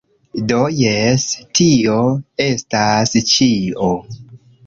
Do, jes tio estas ĉio